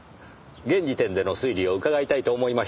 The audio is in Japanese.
現時点での推理を伺いたいと思いましてね。